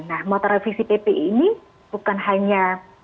nah mata revisi pp ini bukan hanya